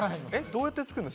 どうやって作んの？